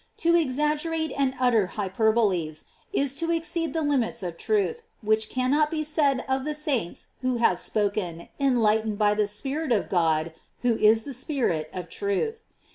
To exaggerate and utter hyperboles, is to exceed the limits of truth, which cannot be said of the saints who have spoken, enlightened by the Spirit of God, who is the Spirit of truth.